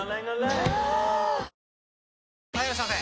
ぷはーっ・はいいらっしゃいませ！